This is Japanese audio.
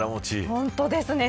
本当ですね。